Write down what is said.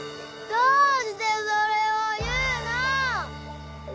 どうしてそれを言うの！